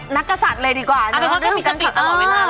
แม่บ้านประจันบัน